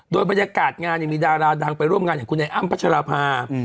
โดยบรรยากาศงานมีดาราดังไปร่วมงานอย่างคุณไอ้อ้ำพัชราภา